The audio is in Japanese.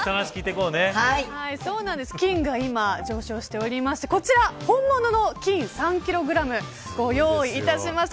今、金が上昇しておりましてこちら本物の金３キログラムご用意いたしました。